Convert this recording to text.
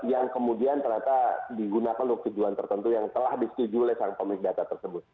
yang kemudian ternyata digunakan untuk tujuan tertentu yang telah disetujui oleh sang pemilik data tersebut